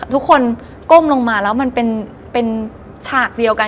ทุกคนก้มลงมาแล้วมันเป็นฉากเดียวกัน